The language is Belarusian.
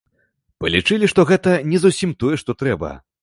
Палічылі, што гэта не зусім тое, што трэба.